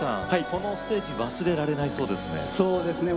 このステージ忘れられないそうですね。